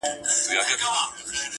چا ته دم چا ته دوا د رنځ شفا سي,